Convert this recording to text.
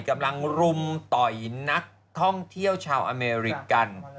รุมต่อยนักท่องเที่ยวชาวอเมริกัน